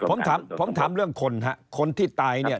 ผมถามผมถามเรื่องคนฮะคนที่ตายเนี่ย